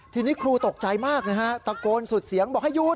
ทีนี้ครูตกใจมากนะฮะตะโกนสุดเสียงบอกให้หยุด